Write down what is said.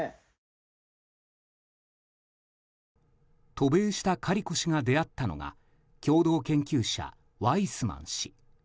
渡米したカリコ氏が出会ったのが共同研究者、ワイスマン氏。